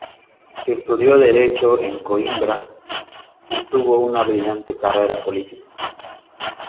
Estudió derecho en Coimbra y tuvo una brillante carrera política.